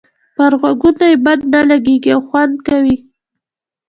پر غوږونو یې بد نه لګيږي او خوند کوي.